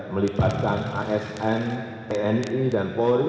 melibatkan asn tni dan polri